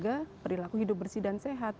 dan juga perilaku hidup bersih dan sehat